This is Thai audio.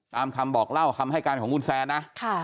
ตามคำบอกเล่าคำให้การของคุณแซนนะ